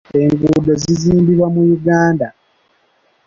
Enguudo zizimbibwa mu Uganda.